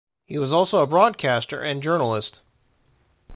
He was also a broadcaster and journalist.